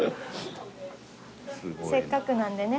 せっかくなんでね。